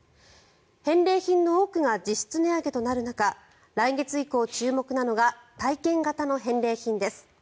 返礼品の多くが実質値上げとなる中来月以降、注目なのが体験型の返礼品です。